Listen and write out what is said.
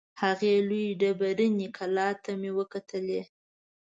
هغې لویې ډبریني کلا ته مې وکتلې.